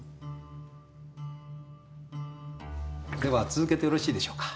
続けてよろしいでしょうか？